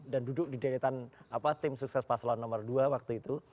dan duduk di deretan apa tim sukses paslon nomor dua waktu itu